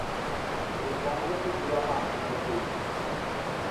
তিনি কংগ্রেসী বুড়ামা নামে পরিচিত ছিলেন।